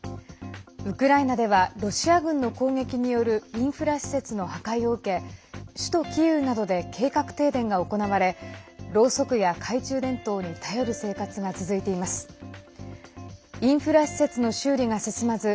ウクライナではロシア軍の攻撃によるインフラ施設の破壊を受け首都キーウなどで計画停電が行われろうそくや懐中電灯に頼る生活が続いています。